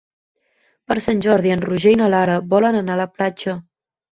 Per Sant Jordi en Roger i na Lara volen anar a la platja.